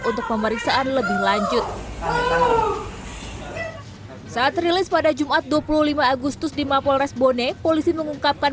untuk pemeriksaan lebih lanjut saat rilis pada jumat dua puluh lima agustus di mapolres bone polisi mengungkapkan